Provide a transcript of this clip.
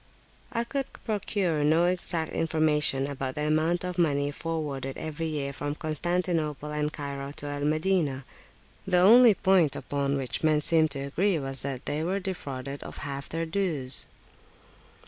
I could procure no exact information about the amount of money forwarded every year from Constantinople and Cairo to Al Madinah; the only point upon which men seemed to agree was that they were defrauded of half their dues.